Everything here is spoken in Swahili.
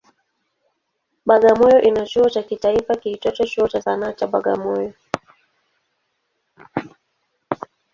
Bagamoyo ina chuo cha kitaifa kiitwacho Chuo cha Sanaa cha Bagamoyo.